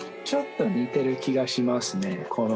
ちょっと似てる気がしますね。